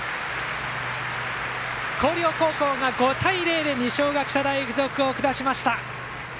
広陵高校が５対０で二松学舎大付属を下しました。